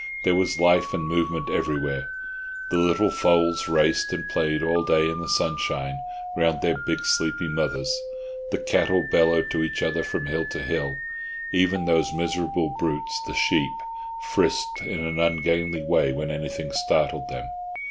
There was life and movement everywhere. The little foals raced and played all day in the sunshine round their big sleepy mothers; the cattle bellowed to each other from hill to hill; even those miserable brutes, the sheep, frisked in an ungainly way when anything startled them.